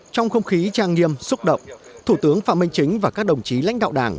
trong không khí trang nghiêm xúc động thủ tướng phạm minh chính và các đồng chí lãnh đạo đảng